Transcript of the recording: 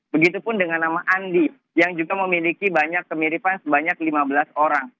begitupun dengan nama andi yang juga memiliki banyak kemiripan sebanyak lima belas orang